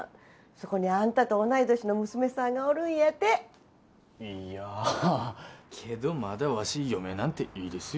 そこにあんたと同い年の娘さんがおるんやていやけどまだわし嫁なんていいですよ